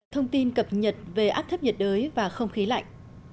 thông tin cập nhật về áp thấp nhiệt đới và không khí lạnh